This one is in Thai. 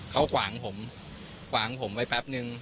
เขาขวางผมขวางผมไว้แป๊บนึง